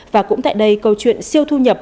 và cũng tại đây câu chuyện siêu thu nhập